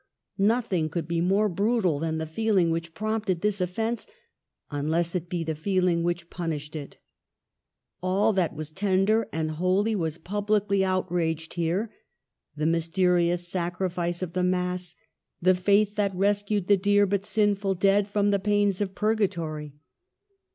Nothing could be more brutal than the feeling which prompted this offence, unless it be the feeling which punished it. All that was tender and holy was publicly outraged here, — the mysterious sacrifice of the Mass, the faith that rescued the dear but sinful dead from the pains of Purgatory.